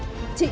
nhờ cảnh sát